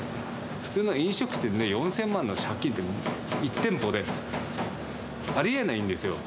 普通の飲食店で４０００万の借金って、１店舗でありえないんです